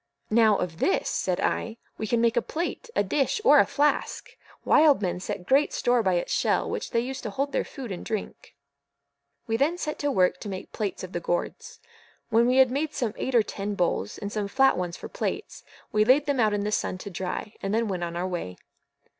"Now, of this," said I, "we can make a plate, a dish, or a flask. Wild men set great store by its shell, which they use to hold their food and drink." We then set to work to make plates of the gourds. When we had made some eight or ten bowls, and some flat ones for plates, we laid them out in the sun to dry, and then went on our way.